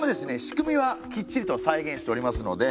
仕組みはきっちりと再現しておりますので。